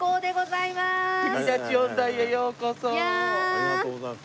ありがとうございます。